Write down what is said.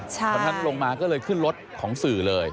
เพราะฉะนั้นลงมาก็เลยขึ้นรถของสื่อเลย